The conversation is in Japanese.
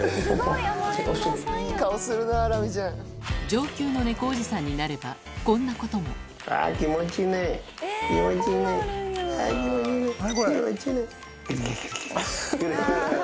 上級の猫おじさんになればこんなことも気持ちいいね気持ちいいね。